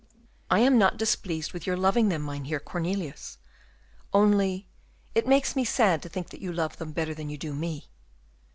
"I am not displeased with your loving them, Mynheer Cornelius, only it makes me sad to think that you love them better than you do me."